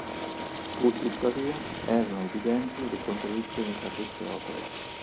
Purtuttavia, erano evidenti le contraddizioni tra queste opere.